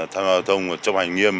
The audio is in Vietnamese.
tham gia giao thông chấp hành nghiêm